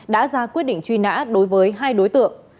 đã ra quyết định truy nã đối với hai đối tượng